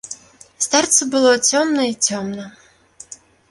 Старцу было цёмна і цёмна.